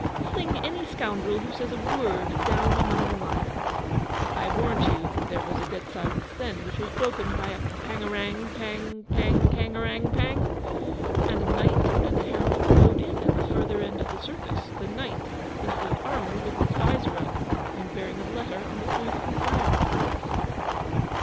'Fling any scoundrel who says a word down among the lions!' I warrant you there was a dead silence then, which was broken by a Pang arang pang pangkarangpang, and a Knight and a Herald rode in at the further end of the circus: the Knight, in full armour, with his vizor up, and bearing a letter on the point of his lance.